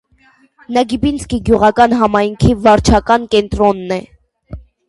Նագիբինսկի գյուղական համայնքի վարչական կենտրոնն է։